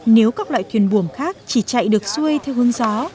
nếu các loại thuyền buồm khác chỉ chạy được xuôi theo hướng gió